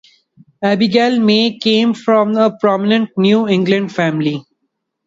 Abigail May came from a prominent New England family.